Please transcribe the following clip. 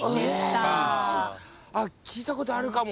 聞いたことあるかも。